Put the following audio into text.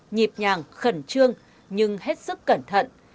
nhịp nhàng khẩn trương nhưng hết sức cẩn thận